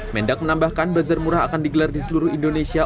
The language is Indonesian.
mendak menambahkan bazar murah akan digelar di seluruh indonesia